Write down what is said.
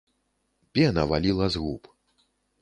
Пена валіла з губ.